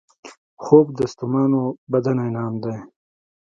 خوب د ستومانو بدن انعام دی